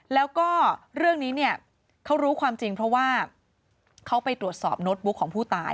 แล้วก็เรื่องนี้เนี่ยเขารู้ความจริงเพราะว่าเขาไปตรวจสอบโน้ตบุ๊กของผู้ตาย